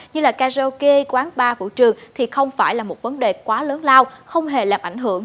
như là karaoke quán bar vũ trường thì không phải là một vấn đề quá lớn lao không hề làm ảnh hưởng